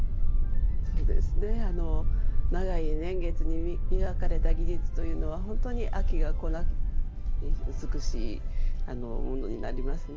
そうですね長い年月に磨かれた技術というのは本当に飽きがこない美しいものになりますね。